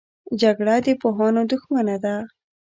جګړه د پوهانو دښمنه ده